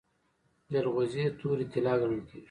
جلغوزي تورې طلا ګڼل کیږي.